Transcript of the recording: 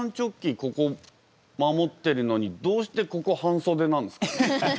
ここ守ってるのにどうしてここ半袖なんですか？